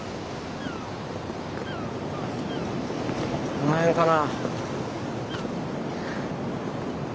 この辺かな。